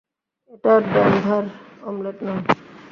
এটা Denver omelette নয়।